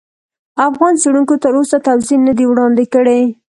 افغان څېړونکو تر اوسه توضیح نه دي وړاندې کړي.